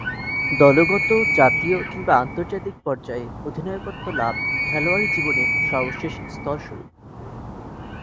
দলগত, জাতীয় কিংবা আন্তর্জাতিক পর্যায়ে অধিনায়কত্ব লাভ খেলোয়াড়ী জীবনের সর্বশেষ স্তরস্বরূপ।